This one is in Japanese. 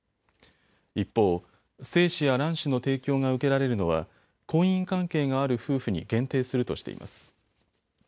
一方、精子や卵子の提供が受けられるのは婚姻関係がある夫婦に限定するとしています。